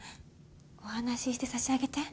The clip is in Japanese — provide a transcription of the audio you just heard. お話しして差し上げて。